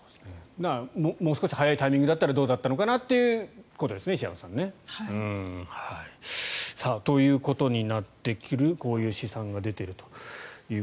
もう少し早いタイミングだったらどうだったのかなということですね、石山さん。ということになってくるこういう試算が出てきています。